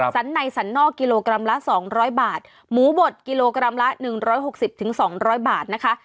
สันในสันนอกกิโลกรัมละสองร้อยบาทหมูบดกิโลกรัมละหนึ่งร้อยหกสิบถึงสองร้อยบาทนะคะ